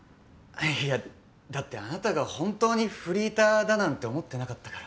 いやだってあなたが本当にフリーターだなんて思ってなかったから。